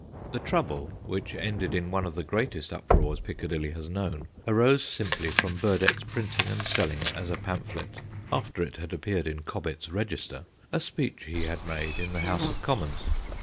The trouble, which ended in one of the greatest uproars Piccadilly has known, arose simply from Burdett's printing and selling as a pamphlet (after it had appeared in Cobbett's Register) a speech he had made in the House of Commons.